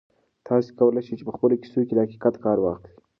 تاسي کولای شئ په خپلو کیسو کې له حقیقت کار واخلئ.